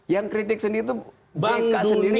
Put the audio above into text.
yang kritik sendiri itu jk sendiri